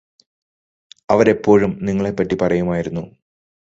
അവരെപ്പോഴും നിങ്ങളെപ്പറ്റി പറയുമായിരുന്നു